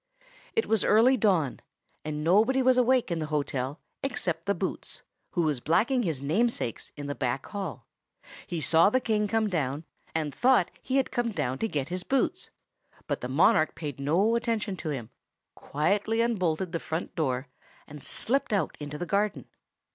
It was early dawn, and nobody was awake in the hotel except the Boots, who was blacking his namesakes in the back hall. He saw the King come down, and thought he had come to get his boots; but the monarch paid no attention to him, quietly unbolted the front door, and slipped out into the garden.